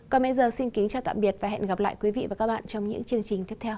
còn bây giờ xin kính chào tạm biệt và hẹn gặp lại quý vị và các bạn trong những chương trình tiếp theo